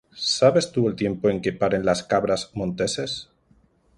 ¿Sabes tú el tiempo en que paren las cabras monteses?